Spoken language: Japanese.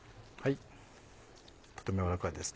とても軟らかいです。